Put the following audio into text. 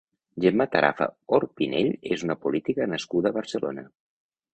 Gemma Tarafa Orpinell és una política nascuda a Barcelona.